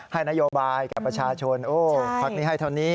ให้นโยบายกับประชาชน